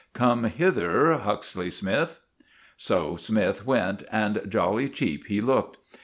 Come hither, Huxley Smythe!" So Smythe went, and jolly cheap he looked.